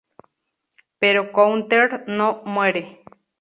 Pero Courtney no muere.